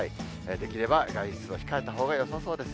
できれば外出を控えたほうがよさそうです。